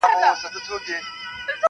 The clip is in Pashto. درته په قهر خدای او انسان دی -